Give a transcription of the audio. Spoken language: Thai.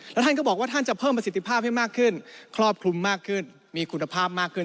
แล้วท่านก็บอกว่าท่านจะเพิ่มประสิทธิภาพให้มากขึ้นครอบคลุมมากขึ้นมีคุณภาพมากขึ้น